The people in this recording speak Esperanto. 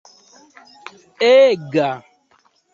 ega